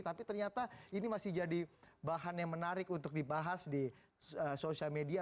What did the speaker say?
tapi ternyata ini masih jadi bahan yang menarik untuk dibahas di sosial media